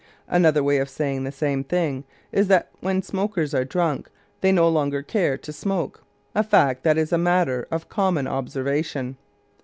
Another way of saying the same thing is that when smokers are drunk they no longer care to smoke, a fact that is a matter of common observation.